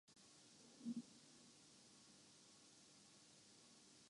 Speaker نے assembly کی سطح پر ایک اچھا قدم اٹھایا ہے۔